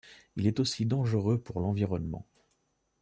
Il est aussi dangereux pour l'environnement.